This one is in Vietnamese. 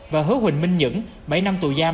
và hứa huỳnh minh những bảy năm tù giam